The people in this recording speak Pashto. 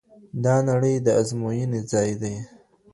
دا نړۍ د ازموینې ځای دی.